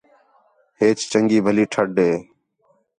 ہیچ چنڳی بَھلی ٹھݙ ہے